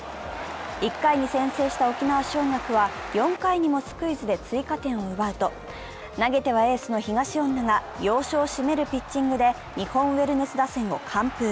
１回に先制した沖縄尚学は４回にもスクイズで追加点を奪うと、投げてはエースの東恩納が要所を締めるピッチングで日本ウェルネス打線を完封。